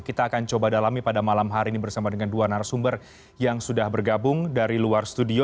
kita akan coba dalami pada malam hari ini bersama dengan dua narasumber yang sudah bergabung dari luar studio